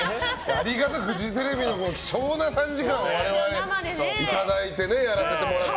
ありがたいフジテレビの貴重な３時間を我々いただいてやらせてもらってた。